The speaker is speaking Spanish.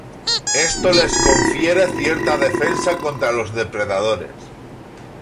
Esto les confiere cierta defensa contra los depredadores.